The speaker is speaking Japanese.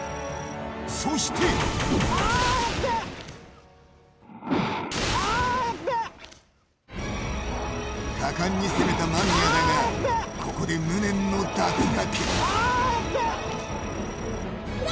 そして果敢に攻めた間宮だが、ここで無念の脱落。